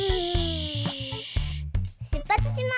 しゅっぱつします。